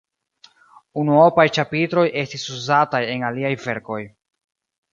Unuopaj ĉapitroj estis uzataj en aliaj verkoj.